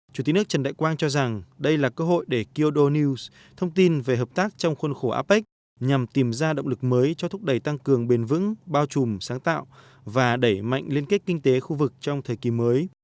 chủ tịch nước trần đại quang cho rằng đây là cơ hội để kyodo news thông tin về hợp tác trong khuôn khổ apec nhằm tìm ra động lực mới cho thúc đẩy tăng cường bền vững bao trùm sáng tạo và đẩy mạnh liên kết kinh tế khu vực trong thời kỳ mới